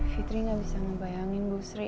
fitri gak bisa ngebayangin bu sri